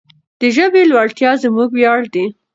د ژبې لوړتیا زموږ ویاړ دی.